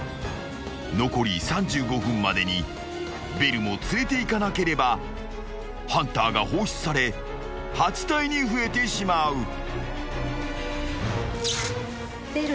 ［残り３５分までにベルも連れていかなければハンターが放出され８体に増えてしまう］